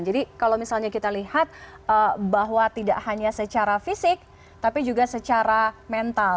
jadi kalau misalnya kita lihat bahwa tidak hanya secara fisik tapi juga secara mental